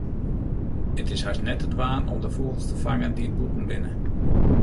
It is hast net te dwaan om de fûgels te fangen dy't bûten binne.